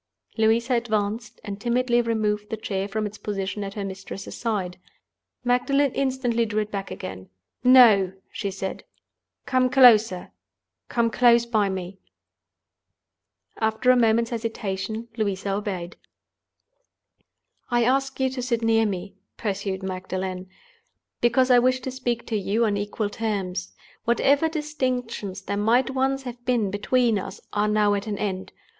Louisa advanced, and timidly removed the chair from its position at her mistress's side. Magdalen instantly drew it back again. "No!" she said. "Come closer—come close by me." After a moment's hesitation, Louisa obeyed. "I ask you to sit near me," pursued Magdalen, "because I wish to speak to you on equal terms. Whatever distinctions there might once have been between us are now at an end.